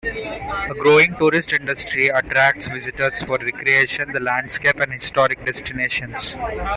A growing tourist industry attracts visitors for recreation, the landscape and historic destinations.